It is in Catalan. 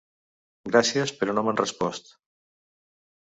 Gràcies, però no m'han respost.